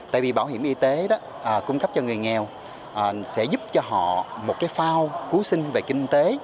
tại vì bảo hiểm y tế đó cung cấp cho người nghèo sẽ giúp cho họ một cái phao cứu sinh về kinh tế